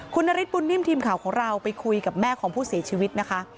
คุณนฤทธบุญนิ่มทีมข่าวของเราไปคุยกับแม่ของผู้เสียชีวิตนะคะ